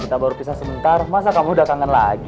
kita baru pisah sebentar masa kamu udah kangen lagi